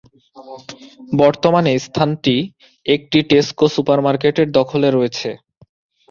বর্তমানে স্থানটি একটি টেস্কো সুপারমার্কেটের দখলে রয়েছে।